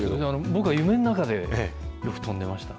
僕は夢の中でよく飛んでました。